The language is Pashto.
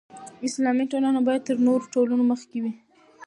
اسلامي ټولنه باید تر نورو ټولنو مخکې وي.